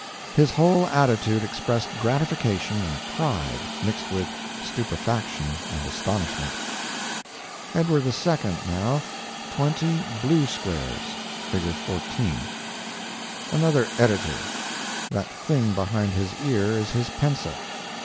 His whole attitude expressed gratification and pride mixed with stupefaction and astonishment. Edward II. now; twenty _blue _squares. (Fig. 14.) Another editor. That thing behind his ear is his pencil.